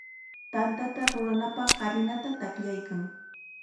Tantata rurananpaq harinata taqllaykan.